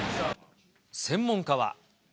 専門家は。